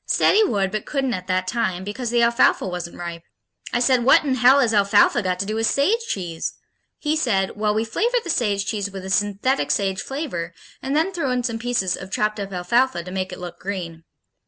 Said he would but couldn't at that time because the alfalfa wasn't ripe. I said, "What in hell has alfalfa got to do with sage cheese?" He said, "Well, we flavor the sage cheese with a synthetic sage flavor and then throw in some pieces of chopped up alfalfa to make it look green."